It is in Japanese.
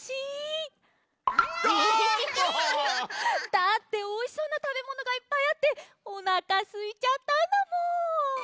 だっておいしそうなたべものがいっぱいあっておなかすいちゃったんだもん。